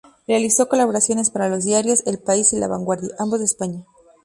Realizó colaboraciones para los diarios El País y La Vanguardia, ambos de España.